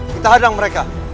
kita hadang mereka